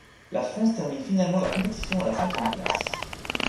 La France termine finalement la compétition à la cinquième place.